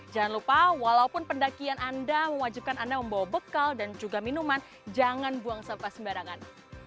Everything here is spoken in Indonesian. jangan lupa walaupun pendakian anda mewajibkan anda membawa bekal dan juga minuman jangan buang sampah sembarangan